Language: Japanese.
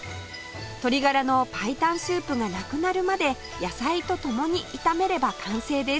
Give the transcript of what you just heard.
鶏ガラの白湯スープがなくなるまで野菜とともに炒めれば完成です